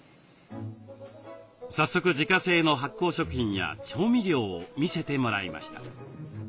早速自家製の発酵食品や調味料を見せてもらいました。